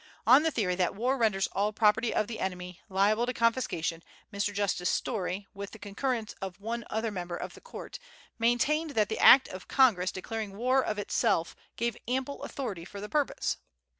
On the theory that war renders all property of the enemy liable to confiscation, Mr. Justice Story, with the concurrence of one other member of the Court, maintained that the Act of Congress declaring war of itself gave ample authority for the purpose.